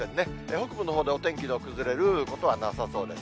北部のほうでお天気の崩れることはなさそうです。